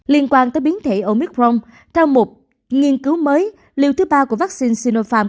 liên quan tới biến thể omicron theo một nghiên cứu mới liều thứ ba của vaccine sinopharm